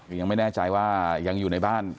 คือยังไม่แน่ใจว่ายังอยู่ในบ้าน